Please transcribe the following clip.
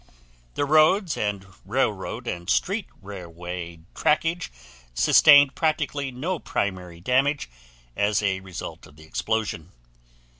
The roads, and railroad and street railway trackage sustained practically no primary damage as a result of the explosion.